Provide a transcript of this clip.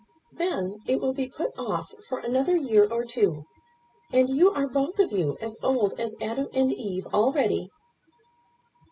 "Then it will be put off for another year or two, and you are both of you as old as Adam and Eve already."